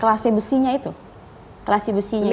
kelasi besinya itu kelasi besinya itu